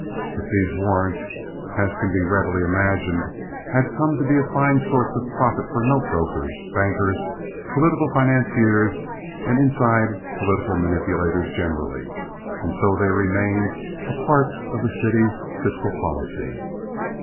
But these warrants, as can readily be imagined, had come to be a fine source of profit for note brokers, bankers, political financiers, and inside political manipulators generally and so they remained a part of the city's fiscal policy.